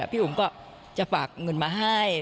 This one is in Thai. พี่อุ๋มก็จะฝากเงินมาให้